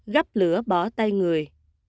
gắp lửa bỏ tay người